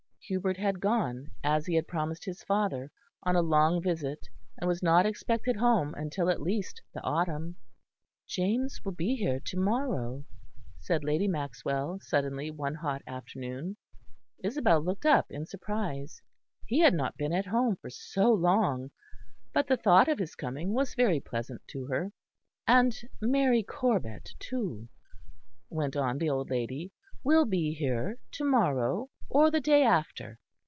Hubert had gone, as he had promised his father, on a long visit, and was not expected home until at least the autumn. "James will be here to morrow," said Lady Maxwell, suddenly, one hot afternoon. Isabel looked up in surprise; he had not been at home for so long; but the thought of his coming was very pleasant to her. "And Mary Corbet, too," went on the old lady, "will be here to morrow or the day after."